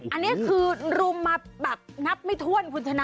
อันนี้คือรุมมาแบบนับไม่ถ้วนคุณชนะ